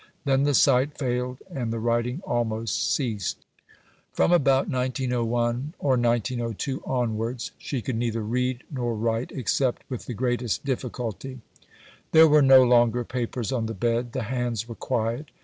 Then the sight failed, and the writing almost ceased. From about 1901 or 1902 onwards she could neither read nor write except with the greatest difficulty. There were no longer papers on the bed. The hands were quiet.